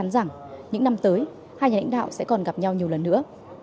rằng những năm tới hai nhà lãnh đạo sẽ còn gặp nhau nhiều lần nữa